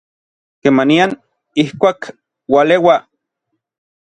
kemanian, ijkuak, ualeua